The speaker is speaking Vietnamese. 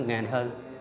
ngày này hơn